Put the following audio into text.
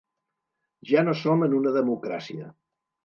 Ja no som en una democràcia.